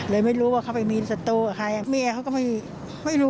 เลยไม่รู้ว่าเขาไปมีศัตรูหรือใคร